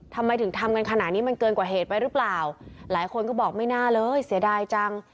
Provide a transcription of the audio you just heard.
ทำไมถึงทำกันขนาดนี้มันเกินกว่าเหตุไปหรือเปล่าหลายคนก็บอกไม่น่าเลยเสียดายจัง